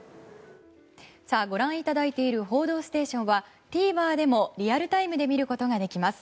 ご覧いただいている「報道ステーション」はＴＶｅｒでもリアルタイム配信で見ることができます。